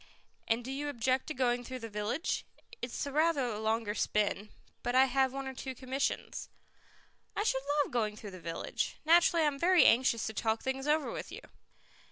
"And do you object to going through the village? It is rather a longer spin, but I have one or two commissions." "I should love going through the village. Naturally I am very anxious to talk things over with you."